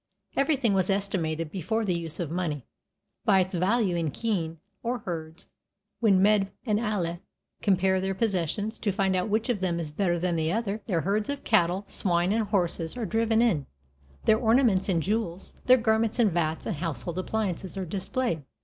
Everything was estimated, before the use of money, by its value in kine or herds. When Medb and Ailill compare their possessions, to find out which of them is better than the other, their herds of cattle, swine, and horses are driven in, their ornaments and jewels, their garments and vats and household appliances are displayed.